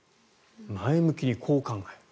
前向きにこう考える。